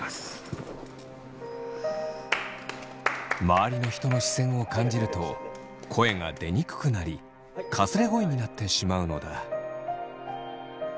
周りの人の視線を感じると声が出にくくなりかすれ声になってしまうのだ。